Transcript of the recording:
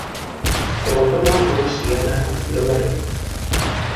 Telefona a la Siena Gabarre.